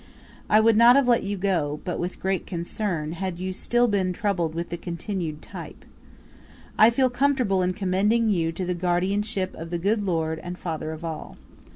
I would not have let you go, but with great concern, had you still been troubled with the continued type. I feel comfortable in commending you to the guardianship of the good Lord and Father of all.